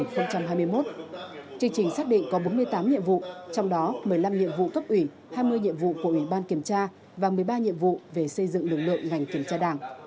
chương trình xác định có bốn mươi tám nhiệm vụ trong đó một mươi năm nhiệm vụ cấp ủy hai mươi nhiệm vụ của ủy ban kiểm tra và một mươi ba nhiệm vụ về xây dựng lực lượng ngành kiểm tra đảng